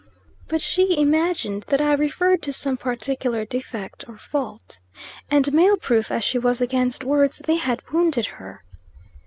But she imagined that I referred to some particular defect or fault, and mail proof as she was against words, they had wounded her.